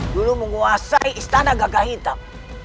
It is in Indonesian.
dulu menguasai istana gagahitab